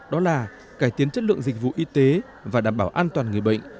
đó là cải tiến chất lượng dịch vụ y tế và đảm bảo an toàn người bệnh